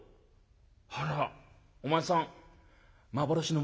「あらお前さん幻の唐土よ」。